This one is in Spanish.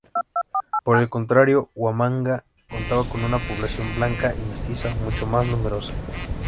Por el contrario, Huamanga contaba con una población blanca y mestiza mucho más numerosa.